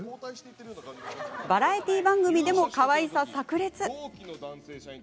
バラエティー番組でもかわいさ、さく裂。